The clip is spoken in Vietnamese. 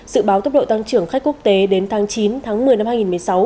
dự báo tốc độ tăng trưởng khách quốc tế đến tháng chín tháng một mươi năm hai nghìn một mươi sáu